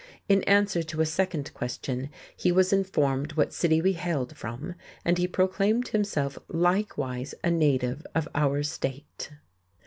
In answer to a second question he was informed what city we hailed from, and he proclaimed himself likewise a native of our state.